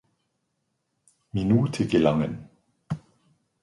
Minute gelangen.